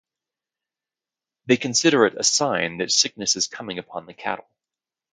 They consider it a sign that sickness is coming upon the cattle.